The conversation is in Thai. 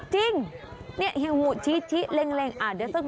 จริงเฮียงูชี้เล็งอ่ะเดี๋ยวสักนานเฮียงูจับ